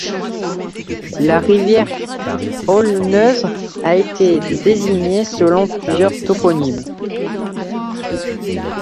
La rivière Aulneuse a été désignée selon plusieurs toponymes.